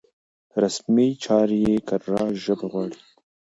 رسمي چارې کره ژبه غواړي.